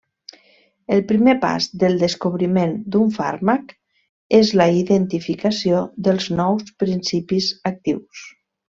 El primer pas del descobriment d'un fàrmac és la identificació dels nous principis actius.